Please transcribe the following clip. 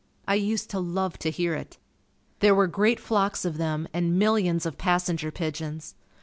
I used to love to hear it. There were great flocks of them and millions of passenger pigeons.